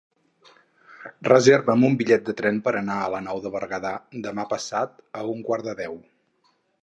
Reserva'm un bitllet de tren per anar a la Nou de Berguedà demà passat a un quart de deu.